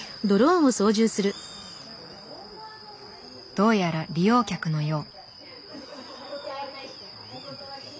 どうやら利用客のよう。